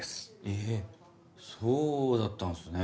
えそうだったんすね。